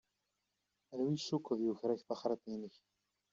Anwa i tcukkeḍ yuker-ak taxṛiṭ-inek.